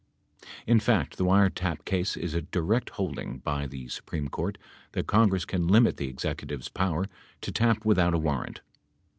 In fact, the wiretap case is a direct holding by the Supreme Court that Congress can limit the Executive's power to tap without a warrant.